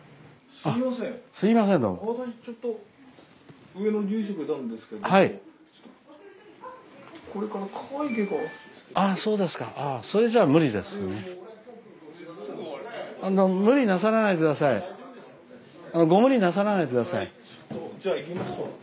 ああご無理なさらないで下さい。